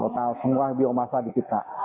total semua biomasa di kita